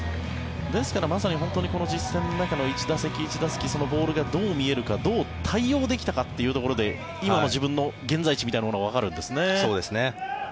ですから、まさに実戦の中の１打席１打席ボールがどう見えるかどう対応できたかというところで今の自分の現在地みたいなものがわかるんですね。